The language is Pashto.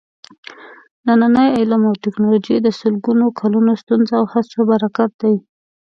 نننی علم او ټېکنالوجي د سلګونو کالونو ستونزو او هڅو برکت دی.